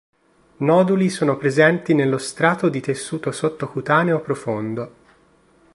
Noduli sono presenti nello strato di tessuto sottocutaneo profondo.